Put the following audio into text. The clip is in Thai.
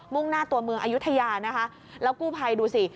่งหน้าตัวเมืองอายุทยานะคะแล้วกู้ภัยดูสิ